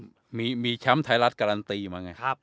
แผ่นมีมาช้องแชมป์ไทยรัฐกะโรปเชียร์อยากเปลี่ยนการเชิงการต้องการสไร